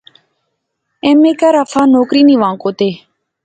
ایم اے کیر آ فہ نوکر نی وہا کوتے